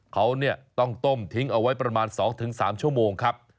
เขาต้องต้มทิ้งเอาไว้ประมาณ๒๓ชั่วโมงครับ